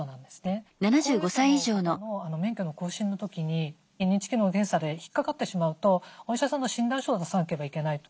高齢者の方の免許の更新の時に認知機能の検査で引っかかってしまうとお医者さんの診断書を出さなければいけないと。